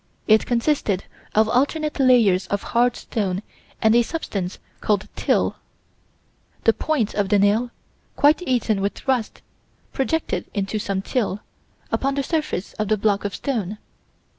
It consisted of alternate layers of hard stone and a substance called "till." The point of the nail, quite eaten with rust, projected into some "till," upon the surface of the block of stone.